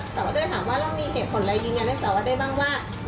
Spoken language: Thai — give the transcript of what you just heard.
สาวเจ้าจะถามว่าแล้วมีเหตุผลอะไรยืนยันนะสาวเจ้าได้บ้างว่า